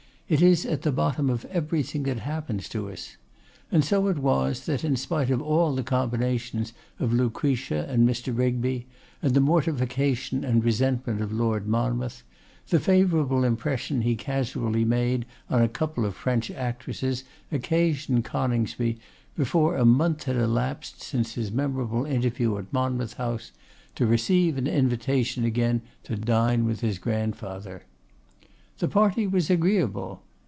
It is at the bottom of everything that happens to us. And so it was, that, in spite of all the combinations of Lucretia and Mr. Rigby, and the mortification and resentment of Lord Monmouth, the favourable impression he casually made on a couple of French actresses occasioned Coningsby, before a month had elapsed since his memorable interview at Monmouth House, to receive an invitation again to dine with his grandfather. The party was agreeable.